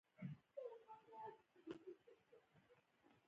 مورغاب سیند د افغانستان د اوږدمهاله پایښت لپاره مهم دی.